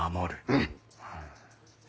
うん！